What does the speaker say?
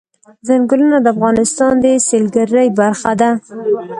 ځنګلونه د افغانستان د سیلګرۍ برخه ده.